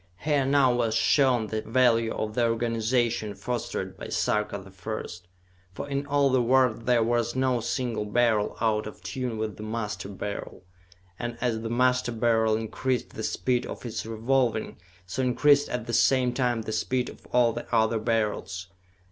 Here now was shown the value of the organization fostered by Sarka the First for in all the world there was no single Beryl out of tune with the Master Beryl; and as the Master Beryl increased the speed of its revolving, so increased at the same time the speed of all the other Beryls.